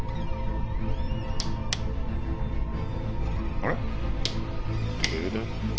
あれ？